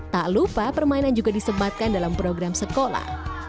tak lupa permainan juga disematkan dalam program sekolah